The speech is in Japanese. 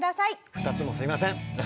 ２つもすみません！